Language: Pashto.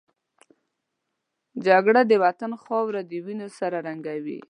جګړه د وطن خاوره د وینو سره رنګوي